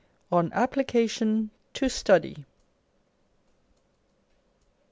On Application to Study.